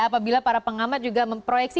apabila para pengamat juga memproyeksi